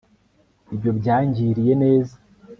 ibyo byangiriye neza